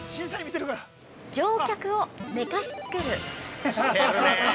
◆乗客を寝かしつける。